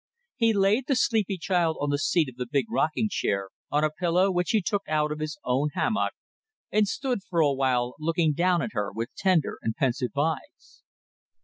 He laid the sleepy child on the seat of the big rocking chair, on a pillow which he took out of his own hammock, and stood for a while looking down at her with tender and pensive eyes.